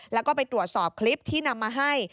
แล้วก็ไปตรวจสอบคลิปที่นำมาให้